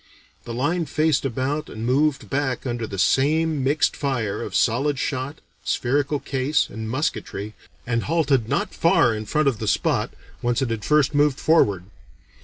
The line faced about and moved back under the same mixed fire of solid shot, spherical case, and musketry, and halted not far in front of the spot whence it had first moved forward.